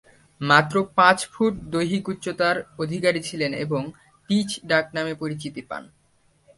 মাত্র পাঁচ ফুট দৈহিক উচ্চতার অধিকারী ছিলেন ও টিচ ডাকনামে পরিচিতি পান।